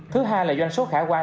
thứ hai là doanh số khả quan